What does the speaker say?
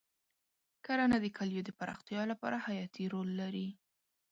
کرنه د کلیو د پراختیا لپاره حیاتي رول لري.